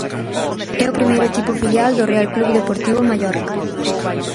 É o primeiro equipo filial do Real Club Deportivo Mallorca.